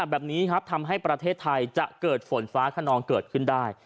แบบนี้ครับทำให้ประเทศไทยจะเกิดฝนฟ้าขนองเกิดขึ้นได้